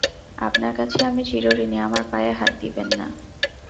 আপনার কাছে আমি চিরঋণী, আমার পায়ে হাত দিবেন না।